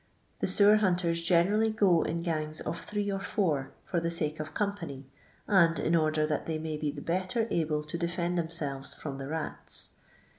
The sewer hunters usually go in gangs of three or four for the soke of company, and in order that they may be the better able to defend themselves from the rats.